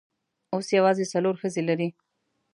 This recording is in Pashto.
اوس یوازې څلور ښځې لري.